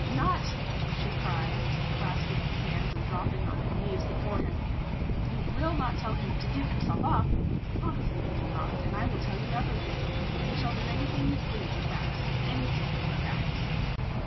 "Not " she cried, clasping her hands and dropping on her knees before him, " you WILL not tell him to give himself up? Promise me you will not, and I will tell you everything. He shall do anything you please but that! Anything but that!"